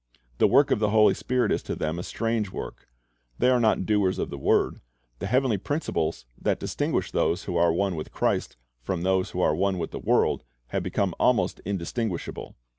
The work of the Holy Spirit is to them a strange work. They are not doers of the word. The heavenly principles that distinguish those who are one with Christ from those who are one with the world have become almost indistinguishable.